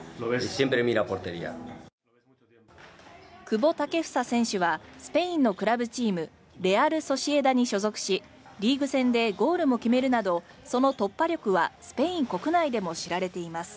久保建英選手はスペインのクラブチームレアル・ソシエダに所属しリーグ戦でゴールも決めるなどその突破力はスペイン国内でも知られています。